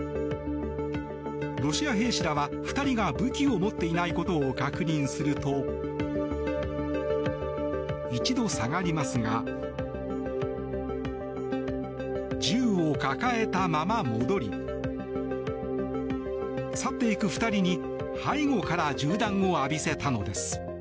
ロシア兵士らは２人が武器を持っていないことを確認すると一度下がりますが銃を抱えたまま戻り去っていく２人に背後から銃弾を浴びせたのです。